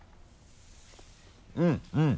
うんうん。